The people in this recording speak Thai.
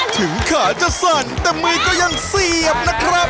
ถึงขาจะสั่นแต่มือก็ยังเสียบนะครับ